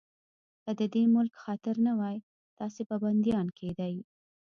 که د دې ملک خاطر نه وای، تاسې به بنديان کېدئ.